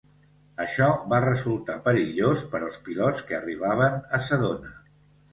Això va resultar perillós per als pilots que arribaven a Sedona.